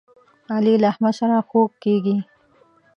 علي له احمد سره خوږ کېږي.